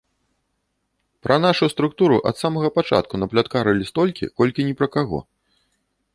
Пра нашу структуру ад самага пачатку напляткарылі столькі, колькі ні пра каго.